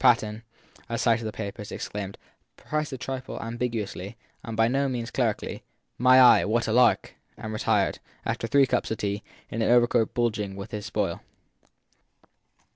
Patten, at sight of the papers, exclaimed, perhaps a trifle ambiguously, and by no means clerically, My eye, what a lark ! and retired, after three cups of tea, in an overcoat bulging with his spoil.